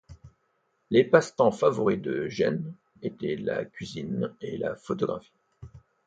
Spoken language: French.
Les passe-temps favoris de Gene étaient la cuisine et la photographie.